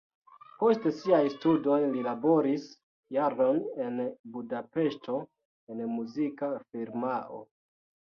Post siaj studoj li laboris jaron en Budapeŝto en muzika firmao.